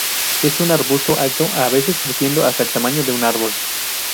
Es un arbusto alto, a veces creciendo hasta el tamaño de un árbol.